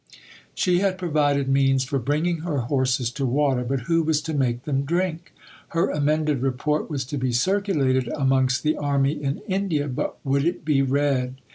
She had provided means for bringing her horses to water, but who was to make them drink? Her amended report was to be circulated amongst the Army in India, but would it be read?